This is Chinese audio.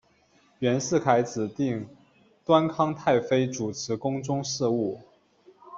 袁世凯指定端康太妃主持宫中事务。